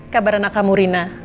kabar anak kamu rina